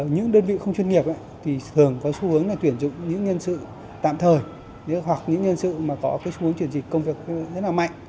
những đơn vị không chuyên nghiệp thì thường có xu hướng là tuyển dụng những nhân sự tạm thời hoặc những nhân sự mà có xu hướng chuyển dịch công việc rất là mạnh